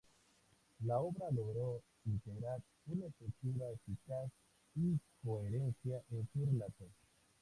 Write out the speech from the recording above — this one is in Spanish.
La obra logró integrar una estructura eficaz y coherencia en su relato.